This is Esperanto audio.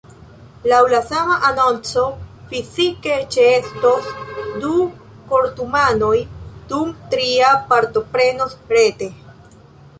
Laŭ la sama anonco, fizike ĉeestos du kortumanoj, dum tria partoprenos rete.